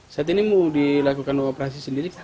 saat ini mau dilakukan operasi sendiri